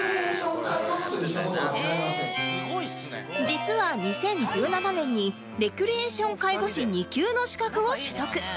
実は２０１７年にレクリエーション介護士２級の資格を取得